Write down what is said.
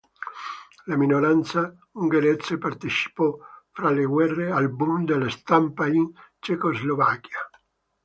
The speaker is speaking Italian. La minoranza ungherese partecipò, fra le guerre, al boom della stampa in Cecoslovacchia.